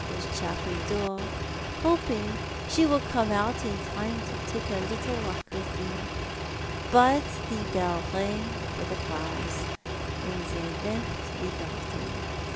49 the chapel door, hoping she wonkl come out in time to take a httle ^^a k w,th them; but the bell rang for the class, and tW all left the garden.